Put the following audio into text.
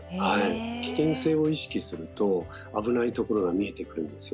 危険性を意識すると危ないところが見えてくるんですよ。